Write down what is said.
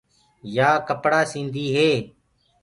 يآ ڪپڙآ سيٚنٚدي هي۔